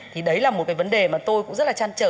thì đấy là một cái vấn đề mà tôi cũng rất là chăn trở